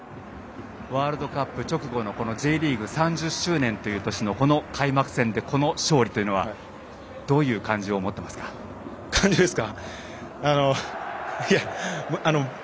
ワールドカップ直後のＪリーグ３０周年という年の開幕戦でこの勝利というのはどういう感じを持っていますか？